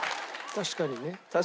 「確かにね」？